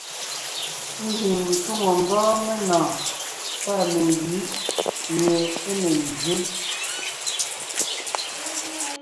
Ḿbiŋ ńcwoŋo ḿbɔ́ɔn menɔ̀ɔn pâ megǐ míe é ne ḿbyé.